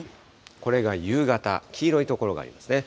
これが夕方、黄色い所がありますね。